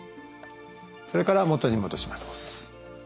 それから元に戻します。